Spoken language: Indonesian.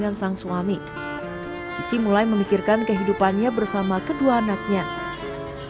insya allah rejeki yang berkah itu sudah disiapkan allah